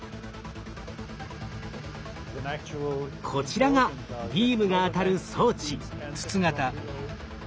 こちらがビームが当たる装置。